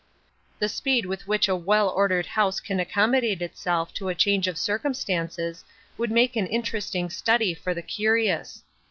The speed with which a well ordered house can accommodate itself to a change of circumstances, would make an interesting study for the curious.